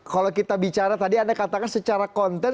kalau kita bicara tadi anda katakan secara konten